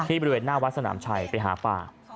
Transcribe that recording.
บริเวณหน้าวัดสนามชัยไปหาป่า